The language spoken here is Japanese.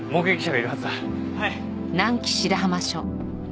はい。